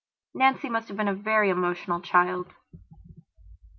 Nancy must have been a very emotional child.